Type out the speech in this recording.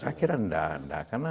saya kira enggak enggak karena